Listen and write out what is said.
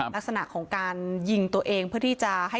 ลักษณะของการยิงตัวเองเพื่อที่จะให้